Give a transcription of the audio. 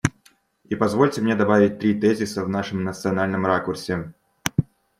И позвольте мне добавить три тезиса в нашем национальном ракурсе.